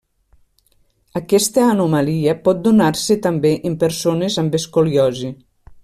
Aquesta anomalia pot donar-se també en persones amb escoliosi.